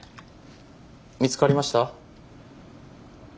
見つかりました？